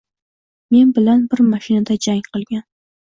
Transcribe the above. Men bilan bir mashinada jang qilgan